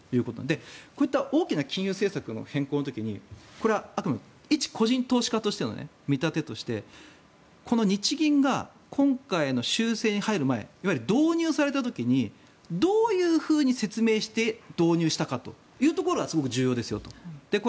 こういった大きな金融政策の変更の時にこれはあくまでも一個人投資家の見立てとしてこの日銀が今回の修正に入る前いわゆる導入された時にどういうふうに説明して導入したかというところはすごく重要ですよと。